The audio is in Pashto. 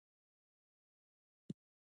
چای ته د مینې جام وایم.